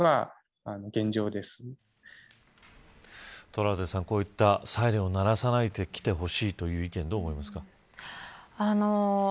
トラウデンさん、こういったサイレンを鳴らさないで来てほしいという意見どう思いますか。